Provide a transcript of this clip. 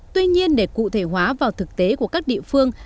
tuy nhiên để cụ thể hóa vào thực tế của các địa phương